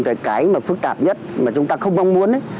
thì cái mà phức tạp nhất mà chúng ta không mong muốn